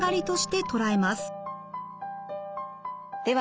では